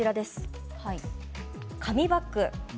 紙バッグ。